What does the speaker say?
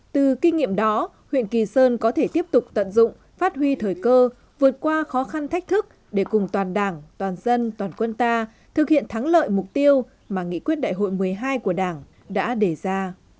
từ kinh nghiệm đó huyện kỳ sơn có thể tiếp tục tận dụng phát huy thời cơ vượt qua khó khăn thách thức để cùng toàn đảng toàn dân toàn quân ta thực hiện thắng lợi mục tiêu mà nghị quyết đại hội một mươi hai của đảng đã đề ra